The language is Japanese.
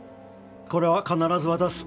これは必ず渡す。